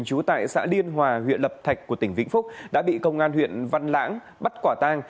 trú tại xã liên hòa huyện lập thạch của tỉnh vĩnh phúc đã bị công an huyện văn lãng bắt quả tang